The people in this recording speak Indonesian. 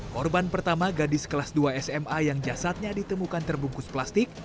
korban pertama gadis kelas dua sma yang jasadnya ditemukan terbungkus plastik